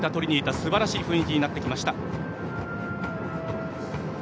すばらしい雰囲気になってきました。